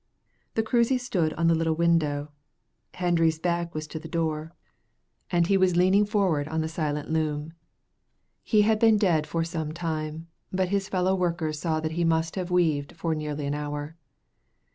The cruizey stood on the little window. Hendry's back was to the door, and he was leaning forward on the silent loom. He had been dead for some time, but his fellow workers saw that he must have weaved for nearly an hour.